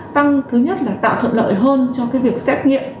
tăng thứ nhất là tạo thuận lợi hơn cho cái việc xét nghiệm